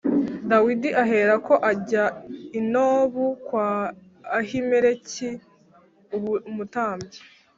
Dawidi aherako ajya i Nobu kwa Ahimeleki umutambyi.